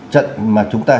trận mà chúng ta